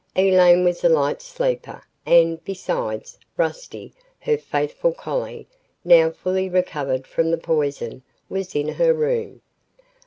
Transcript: Elaine was a light sleeper and, besides, Rusty, her faithful collie, now fully recovered from the poison, was in her room.